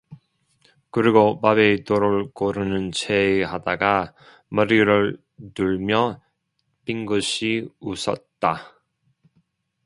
그리고 밥에 돌을 고르는 체하다가 머리를 들며 빙긋이 웃었다.